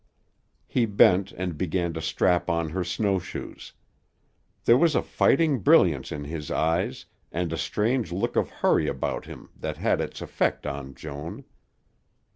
He bent and began to strap on her snowshoes. There was a fighting brilliance in his eyes and a strange look of hurry about him that had its effect on Joan.